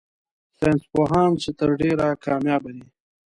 ساينس پوهان چي تر ډېره کاميابه دي